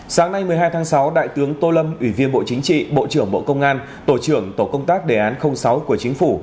sáng nay một mươi hai tháng sáu đại tướng tô lâm ủy viên bộ chính trị bộ trưởng bộ công an tổ trưởng tổ công tác đề án sáu của chính phủ